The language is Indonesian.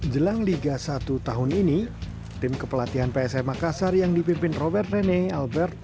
jelang liga satu tahun ini tim kepelatihan psm makassar yang dipimpin robert rene albert